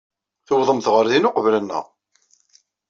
Tuwḍemt ɣer din uqbel-nneɣ.